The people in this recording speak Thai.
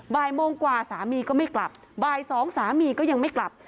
บ่ายโมงกว่าสามีก็ไม่กลับบ่ายสองสามีก็ยังไม่กลับ